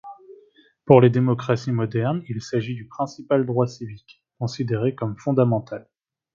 Pour les démocraties modernes il s'agit du principal droit civique, considéré comme fondamental.